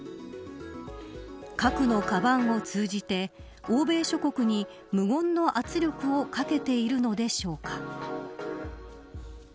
核のカバンを通じて欧米諸国に無言の圧力をかけているのでしょうか。